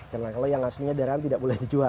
karena kalau yang asli itu tidak boleh dijual